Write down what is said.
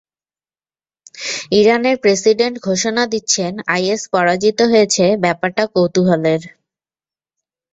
ইরানের প্রেসিডেন্ট ঘোষণা দিচ্ছেন, আইএস পরাজিত হয়েছে ব্যাপারটা কৌতূহলের।